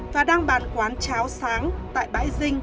và đang bàn quán cháo sáng tại bãi dinh